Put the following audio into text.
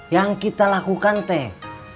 yang kita lakukan teh